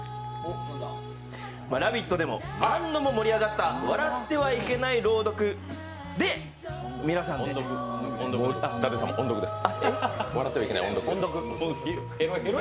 「ラヴィット！」でも何度も盛り上がった「笑ってはいけない朗読」で舘様、音読です。